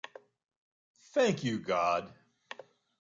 Thank you God.